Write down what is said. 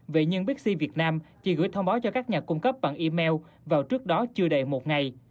vậy nhân bixi việt nam chỉ gửi thông báo cho các nhà cung cấp bằng email vào trước đó chưa đầy một ngày